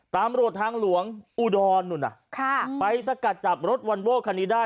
ตำรวจทางหลวงอุดรนู่นน่ะค่ะไปสกัดจับรถวอนโว้คันนี้ได้